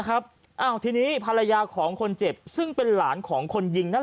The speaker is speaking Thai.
ครับอ้าวทีนี้ภรรยาของคนเจ็บซึ่งเป็นหลานของคนยิงนั่นแหละ